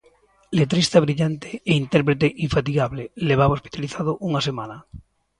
Letrista brillante e intérprete infatigable, levaba hospitalizado unha semana.